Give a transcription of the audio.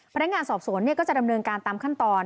พนักงานสอบสวนก็จะดำเนินการตามขั้นตอน